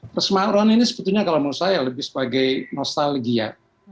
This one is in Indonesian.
persemaruan ini sebetulnya kalau menurut saya lebih sebagai nostalgia